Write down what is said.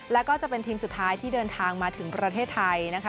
แล้วก็จะเป็นทีมสุดท้ายที่เดินทางมาถึงประเทศไทยนะคะ